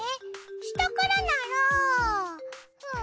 したからならうん